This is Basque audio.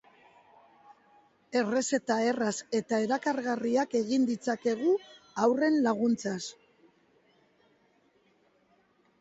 Errezeta erraz eta erakargarriak egin ditzakegu haurren laguntzaz.